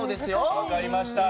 分かりました。